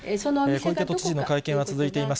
小池都知事の会見が続いています。